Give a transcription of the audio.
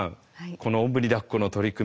この「おんぶにだっこ」の取り組み